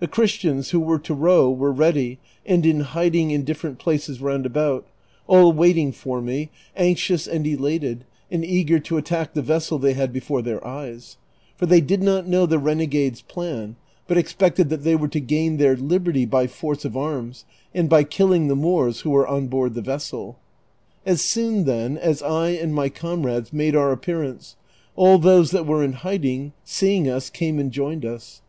The Christians who were to row were ready and in hiding in ditferent places round about, all waiting for me, anxious 350 DON QUIXOTE. and elated, and eager to attack the vessel they had before their eyes ; for they did not linow the renegade's plan, but expected that tliey were to gain their liberty by force of arms and b}" killing the Moors who were on board the vessel. As soon, then, as I and my comrades made our appearance, all those that were in hiding seeing us came and joined us.